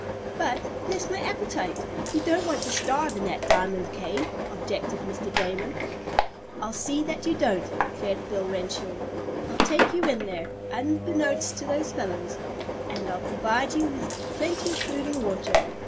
"But, bless my appetite, we don't want to starve in that diamond cave!" objected Mr. Damon. "I'll see that you don't," declared Bill Renshaw. "I'll take you in there, unbeknownst to those fellows, and I'll provide you with plenty of food and water.